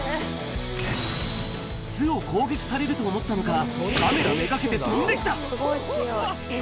巣を攻撃されると思ったのか、カメラ目がけて飛んできた。